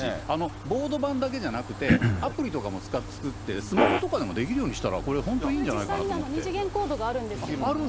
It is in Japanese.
ボード版だけじゃなくて、アプリとかも作って、スマホとかでもできるようにしたら、これ、本当にこれ、実際に二次元コードがあるんですよ。